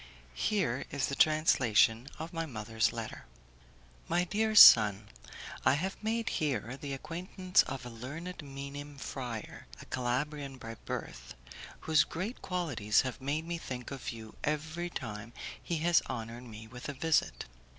Here is the translation of my mother's letter: "My dear son, I have made here the acquaintance of a learned Minim friar, a Calabrian by birth, whose great qualities have made me think of you every time he has honoured me with a visit.